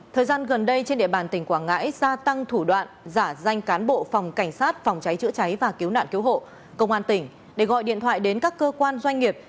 thời gian gần đây trên địa bàn tỉnh quảng ngãi gia tăng thủ đoạn giả danh cán bộ phòng cảnh sát phòng cháy chữa cháy và cứu nạn cứu hộ công an tỉnh để gọi điện thoại đến các cơ quan doanh nghiệp